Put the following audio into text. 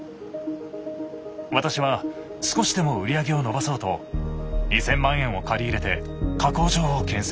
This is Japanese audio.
私は少しでも売り上げを伸ばそうと２，０００万円を借り入れて加工場を建設。